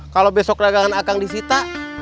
kalau besok ragangan akang disita